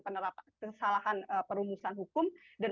penerapan kesalahan perumusan hukum dan